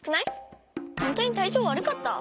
ほんとにたいちょうわるかった？